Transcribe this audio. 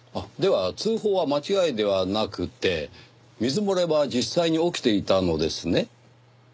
では通報は間違いではなくて水漏れは実際に起きていたのですね？